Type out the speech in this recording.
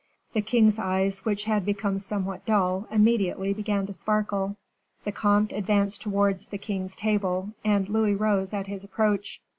The king's eyes, which had become somewhat dull, immediately began to sparkle. The comte advanced towards the king's table, and Louis rose at his approach.